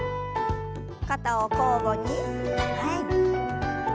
肩を交互に前に。